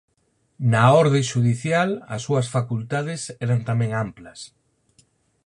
Na orde xudicial as súas facultades eran tamén amplas.